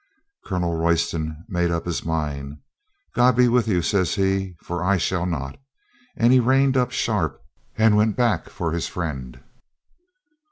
Colonel Royston made up his mind. "God be with you," says he, "for I shall not." And he reined up sharp and went back for his friend.